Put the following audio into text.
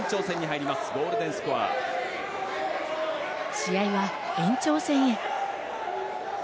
試合は延長戦へ。